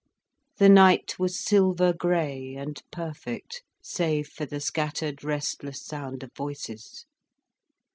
The night was silver grey and perfect, save for the scattered restless sound of voices.